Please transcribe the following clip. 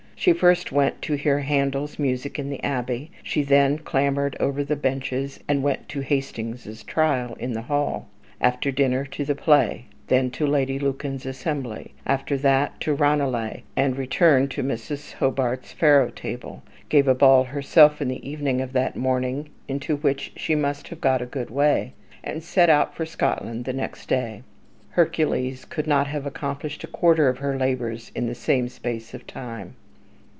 "She first went to hear Handel's music in the Abbey; she then clambered over the benches, and went to Hastings's trial in the Hall; after dinner, to the play; then to Lady Lucan's assembly; after that to Ranelagh, and returned to Mrs. Hobart's faro table; gave a ball herself in the evening of that morning, into which she must have got a good way; and set out for Scotland the next day. Hercules could not have accomplished a quarter of her labours in the same space of time."